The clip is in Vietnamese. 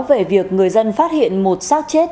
về việc người dân phát hiện một sát chết